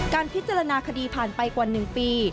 การพิจารณาคดีผ่านไปกว่า๑ปี